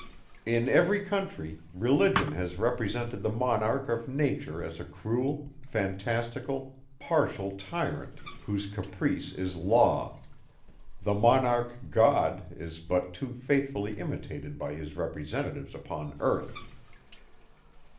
In every country, Religion has represented the Monarch of nature as a cruel, fantastical, partial tyrant, whose caprice is law; the Monarch God, is but too faithfully imitated by his representatives upon earth.